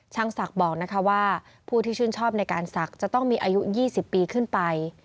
ศักดิ์บอกนะคะว่าผู้ที่ชื่นชอบในการศักดิ์จะต้องมีอายุ๒๐ปีขึ้นไป